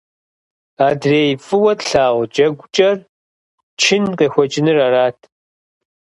Адрей фӀыуэ тлъагъу джэгукӀэр чын къехуэкӀыныр арат.